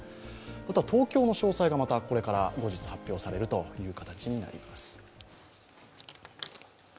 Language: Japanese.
あとは東京の詳細がこれから後日発表されるという形になります。